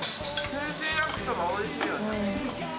天津焼きそば、おいしいよね。